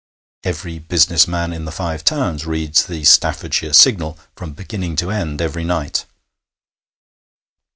Every business man in the Five Towns reads the Staffordshire Signal from beginning to end every night.